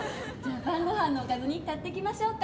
晩ご飯のおかずに買っていきましょうか。